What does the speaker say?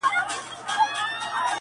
یو په بل کي ورکېدلای!!